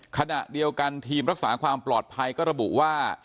ขณะเดียวกันทีมรักษาความปลอดภัยก็ระบุว่า